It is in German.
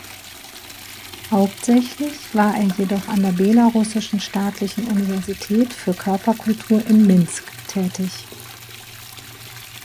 Hauptsächlich war er jedoch an der Belarussischen Staatlichen Universität für Körperkultur in Minsk tätig.